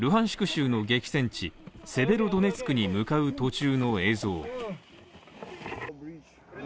州の激戦地セベロドネツクに向かう途中の映像。